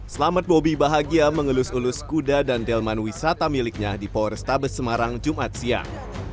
selamat bobby bahagia mengelus elus kuda dan delman wisata miliknya di power stables semarang jumat siang